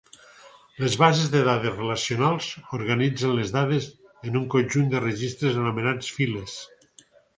Les bases de dades relacionals organitzen les dades en un conjunt de registres anomenats files.